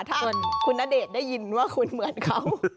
ถ้าคุณณเดชน์ได้ยินว่าคุณเหมือนเขา